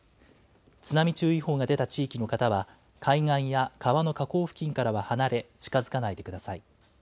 津波注意報が出た地域の方は、海岸や川の河口付近からは離れ、近づかないでください。